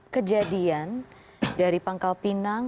kejadian dari pangkal pinang